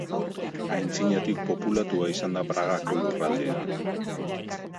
Aintzinatik populatua izan da Bragako lurraldea.